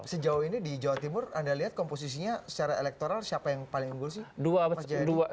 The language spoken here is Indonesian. sejauh ini di jawa timur anda lihat komposisinya secara elektoral siapa yang paling unggul sih